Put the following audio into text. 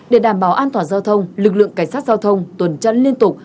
để đảm bảo an toàn giao thông lực lượng cảnh sát giao thông tuần trăn liên tục